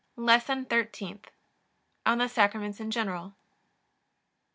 LESSON THIRTEENTH ON THE SACRAMENTS IN GENERAL 136.